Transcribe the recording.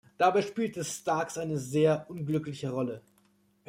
Dabei spielte Starks eine sehr unglückliche Rolle.